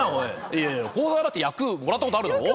いやいや幸澤だって役もらったことあるだろ？